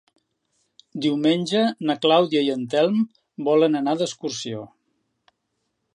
Diumenge na Clàudia i en Telm volen anar d'excursió.